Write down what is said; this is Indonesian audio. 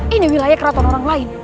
ini wilayah keraton orang lain